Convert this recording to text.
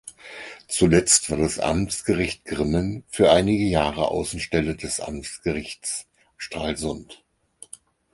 Zuletzt war das Amtsgericht Grimmen für einige Jahre Außenstelle des Amtsgerichts Stralsund.